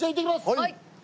はい。